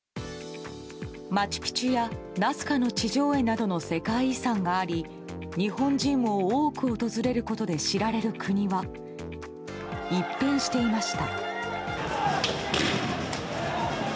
マチュピチュやナスカの地上絵などの世界遺産があり日本人も多く訪れることで知られる国は一変していました。